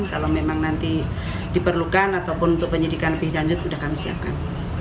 kalau memang nanti diperlukan ataupun untuk penyidikan lebih lanjut sudah kami siapkan